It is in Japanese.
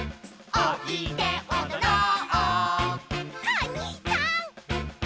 「おいでおどろう」